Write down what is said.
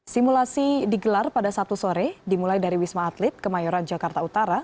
simulasi digelar pada sabtu sore dimulai dari wisma atlet kemayoran jakarta utara